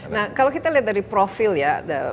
nah kalau kita lihat dari profil ya